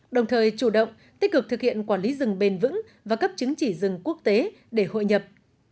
đồng thời chủ động tích cực thực hiện quản lý rừng bền vững và cấp chứng chỉ rừng quốc tế để hội nhập